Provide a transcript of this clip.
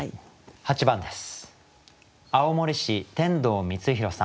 ８番です。